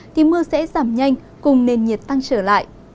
thì mưa sẽ giảm nhanh cùng nền nhiệt tăng trở lại